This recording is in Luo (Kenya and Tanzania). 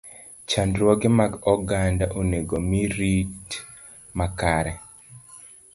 Chandruoge mag oganda onego omi rit makare.